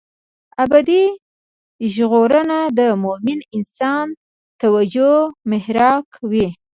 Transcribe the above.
ابدي ژغورنه د مومن انسان توجه محراق وي.